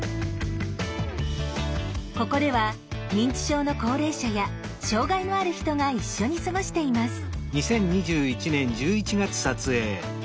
ここでは認知症の高齢者や障害のある人が一緒に過ごしています。